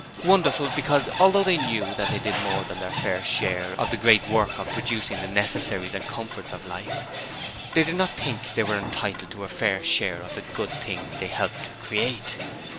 Wonderful, because although they knew that they did more than their fair share of the great work of producing the necessaries and comforts of life, they did not think they were entitled to a fair share of the good things they helped to create!